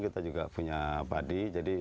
kita juga punya padi jadi